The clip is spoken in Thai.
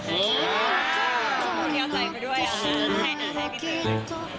พี่เอาใจไปด้วยอะให้พี่เต๋อ